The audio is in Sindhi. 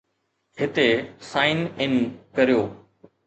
هتي سائن ان ڪريو